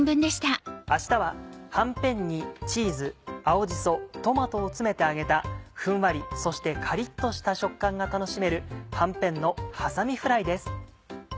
明日ははんぺんにチーズ青じそトマトを詰めて揚げたふんわりそしてカリっとした食感が楽しめる「はんぺんのはさみフライ」です。